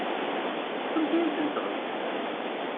Anda ay tent-teɣzam?